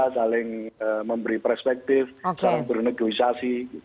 saling memberi perspektif saling bernegosiasi